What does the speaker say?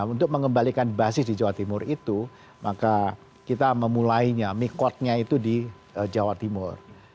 untuk mengembalikan basis di jawa timur itu maka kita memulainya mikotnya itu di jawa timur